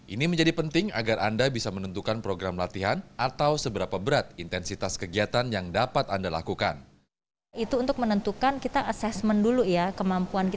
ini menjadi penting agar anda bisa menentukan program latihan atau seberapa berat intensitas kegiatan yang dapat anda lakukan